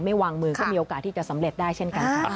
วางมือก็มีโอกาสที่จะสำเร็จได้เช่นกันค่ะ